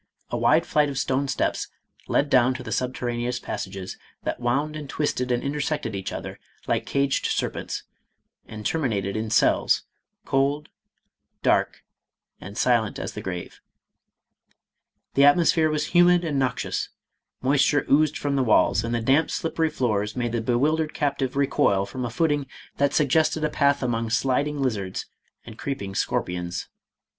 A wide flight of stone steps led down to the subterraneous passages that wound and twisted and intersected each other like MADAME ROLAND. 517 caged serpents, and terminated in cells, cold, dark, and silent as the grave. The atmosphere was humid and noxious ; moisture oozed from the walls, and the damp slippery floors made the bewildered captive recoil from a footing that suggested a path among sliding lizards and creeping scorpions.